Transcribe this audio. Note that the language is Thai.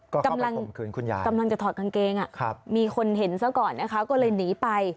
กำลังจะถอดกางเกงมีคนเห็นซะก่อนนะคะก็เลยหนีไป